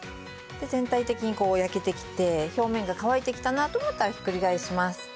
全体的にこう焼けてきて表面が乾いてきたなと思ったらひっくり返します。